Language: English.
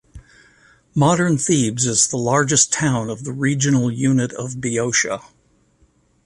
Modern Thebes is the largest town of the regional unit of Boeotia.